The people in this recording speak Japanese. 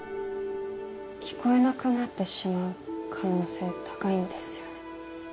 聞こえなくなってしまう可能性高いんですよね？